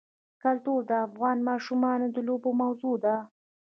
کلتور د افغان ماشومانو د لوبو موضوع ده.